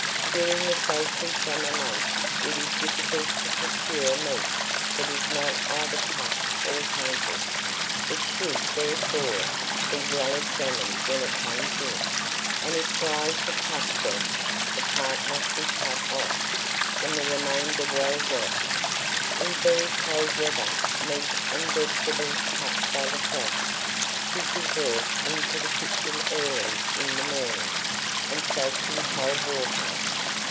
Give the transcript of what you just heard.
During the sultry summer months, it is difficult to procure meat that is not either tough or tainted. It should, therefore, be well examined when it comes in, and if flies have touched it, the part must be cut off, and the remainder well washed. In very cold weather, meat and vegetables touched by the frost, should be brought into the kitchen early in the morning, and soaked in cold water.